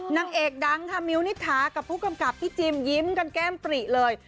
นางเอกดังค่ะมิวนิษฐากับผู้กำกับพี่จิมยิ้มกันแก้มปริเลย